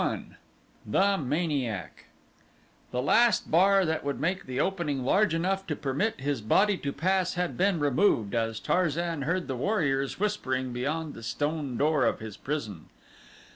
21 The Maniac The last bar that would make the opening large enough to permit his body to pass had been removed as Tarzan heard the warriors whispering beyond the stone door of his prison.